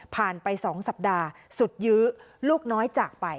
ไป๒สัปดาห์สุดยื้อลูกน้อยจากไป